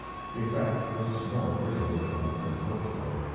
The effect was more agreeable than I could have hoped for.